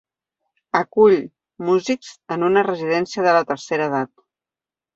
Acull músics en una residència de la tercera edat.